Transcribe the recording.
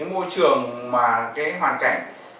môi trường mà hoàn cảnh